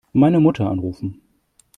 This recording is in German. Meine Mutter anrufen.